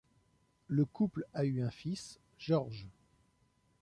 Le couple a eu un fils, George.